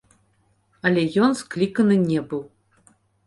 Але ён скліканы не быў.